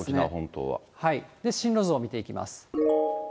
進路図を見ていきます。